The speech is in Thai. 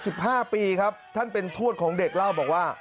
สิบห้าปีครับท่านเป็นทวดของเด็กเล่าบอกว่า